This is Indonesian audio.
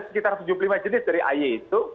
sekitar tujuh puluh lima jenis dari aye itu